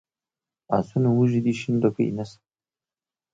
آسونه وږي دي شین ډکی نشته.